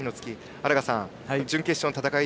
荒賀さん準決勝の戦い